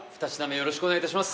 よろしくお願いします